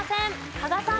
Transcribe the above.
加賀さん。